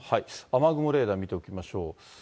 雨雲レーダー見ておきましょう。